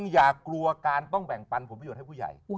อย่ากลัวการต้องแบ่งปันภูมิหยุดให้ผู้ใหญ่